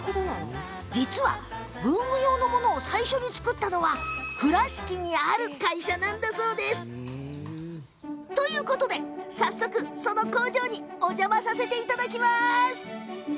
実は、文具用のものを最初に作ったのは倉敷にある会社なんだそうです。ということで、早速その工場にお邪魔させていただきます。